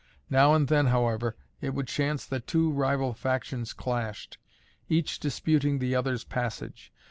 Now and then however it would chance that two rival factions clashed, each disputing the other's passage.